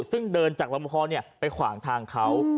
ซึ่งเดินจากรมพไปขวางทางเขา